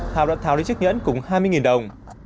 hào đã tháo đến chiếc nhẫn cũng hai mươi đồng